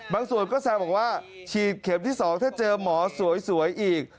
ส่วนก็แซวบอกว่าฉีดเข็มที่๒ถ้าเจอหมอสวยอีก